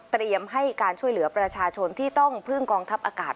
ให้การช่วยเหลือประชาชนที่ต้องพึ่งกองทัพอากาศ